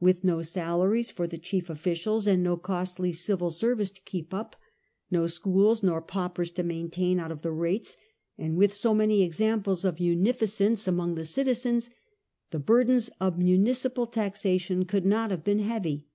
With no salaries for the chief officials and no costly civil service to keep up, no schools nor paupers to maintain out of the rates, and with so many examples of muni ficence among the citizens, the burdens of municipal taxation could not have been heavy.